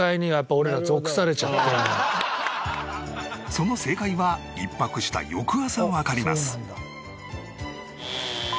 その正解は１泊した翌朝わかります。